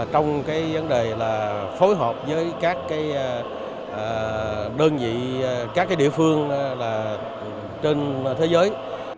trong vấn đề phối hợp với các đơn vị